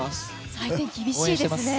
採点厳しいですね。